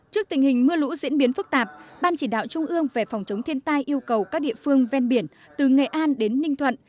trước tình hình mưa lũ diễn biến phức tạp ban chỉ đạo trung ương về phòng chống thiên tai yêu cầu các địa phương ven biển từ nghệ an đến ninh thuận